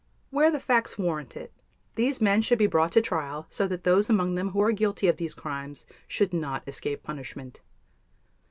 Where the facts warrant it, these men should be brought to trial so that those among them who are guilty of these crimes should not escape punishment.